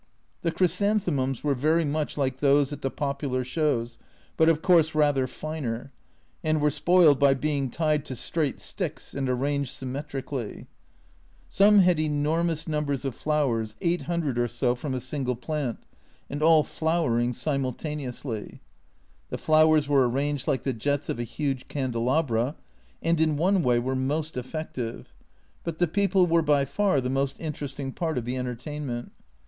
The chrysanthe mums were very much like those at the popular shows, but of course rather finer, and were spoiled by being tied to straight sticks and arranged symmetrically. Some had enormous numbers of flowers, 800 or so from a single plant and all flowering simultaneously. The flowers were arranged like the jets of a huge candelabra, and in one way were most effective, but the people were by far the most interesting part of the entertainment.